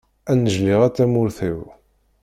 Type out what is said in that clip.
Ad nnejliɣ a tamurt-iw.